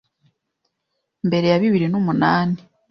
Mbere ya bibiri numunani